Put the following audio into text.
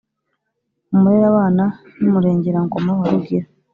Umurerabana n’ umurengerangoma wa Rugira,